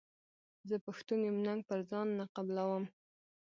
زه پښتون یم ننګ پر ځان نه قبلووم.